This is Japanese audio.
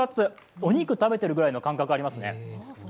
お肉食べてるぐらいの感覚、ありますね。